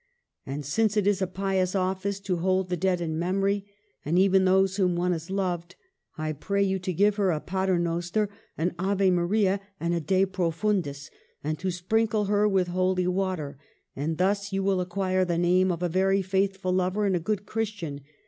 And since it is a pious office to hold the dead in memory, and even those whom one has loved, I pray you to give her a Pater noster, an Ave Maria, and a De Profundis, and to sprinkle her with holy water; and thus you will acquire the name of a very faithful lover and a good Christian.